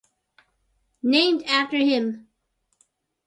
"Named after him:"